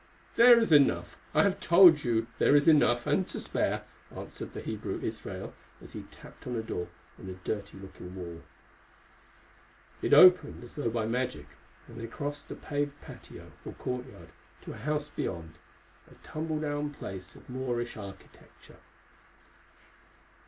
"There is enough, I have told you there is enough and to spare," answered the Hebrew Israel as he tapped on a door in a dirty looking wall. It opened as though by magic, and they crossed a paved patio, or courtyard, to a house beyond, a tumble down place of Moorish architecture.